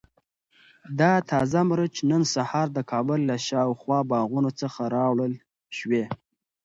دا تازه مرچ نن سهار د کابل له شاوخوا باغونو څخه راوړل شوي.